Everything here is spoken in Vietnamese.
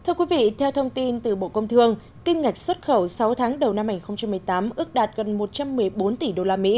thưa quý vị theo thông tin từ bộ công thương kim ngạch xuất khẩu sáu tháng đầu năm hai nghìn một mươi tám ước đạt gần một trăm một mươi bốn tỷ usd